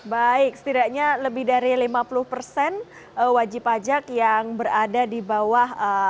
baik setidaknya lebih dari lima puluh persen wajib pajak yang berada di bawah